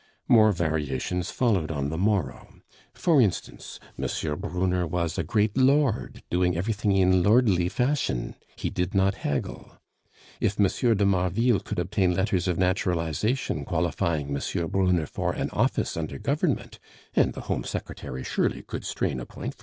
More variations followed on the morrow. For instance M. Brunner was a great lord, doing everything in lordly fashion; he did not haggle. If M. de Marville could obtain letters of naturalization, qualifying M. Brunner for an office under Government (and the Home Secretary surely could strain a point for M.